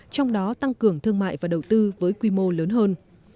trong đó tăng cường thương mại và đầu tư với quy mô lớn hơn